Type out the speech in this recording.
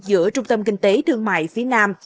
giữa trung tâm kinh tế thương mại phía nam